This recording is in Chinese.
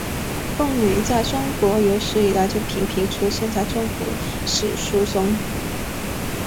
贡女在中国有史以来就频频出现在中国史书中。